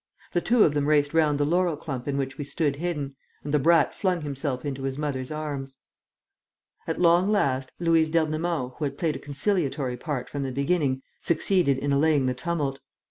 The two of them raced round the laurel clump in which we stood hidden; and the brat flung himself into his mother's arms. At long last, Louise d'Ernemont, who had played a conciliatory part from the beginning, succeeded in allaying the tumult.